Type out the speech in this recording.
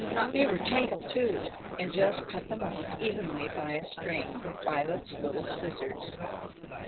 They were tangled, too, and Jess cut them off evenly by a string, with Violet's little scissors.